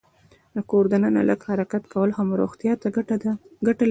د کور دننه لږ حرکت کول هم روغتیا ته ګټه لري.